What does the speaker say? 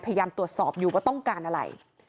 พยายามตรวจสอบอยู่ว่าต้องการอะไร